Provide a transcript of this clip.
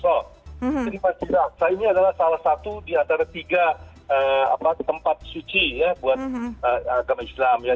jadi pasjidil aqsa ini adalah salah satu di antara tiga tempat suci ya buat agama islam ya